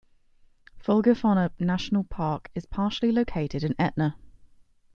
Folgefonna National Park is partially located in Etne.